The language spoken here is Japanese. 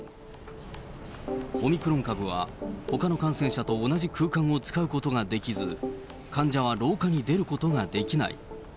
オミクロン株は、ほかの感染者と同じ空間を使うことができず、患者は廊下に出ることができない。